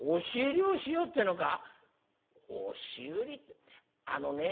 「押し売りってあのね